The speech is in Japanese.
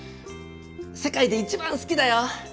世界で一番好きだよ